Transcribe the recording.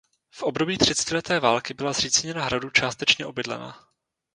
V období třicetileté války byla zřícenina hradu částečně obydlena.